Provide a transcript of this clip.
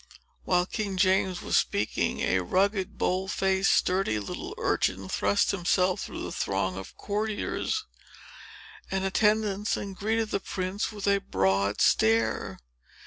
While King James was speaking, a rugged, bold faced, sturdy little urchin thrust himself through the throng of courtiers and attendants, and greeted the prince with a broad stare.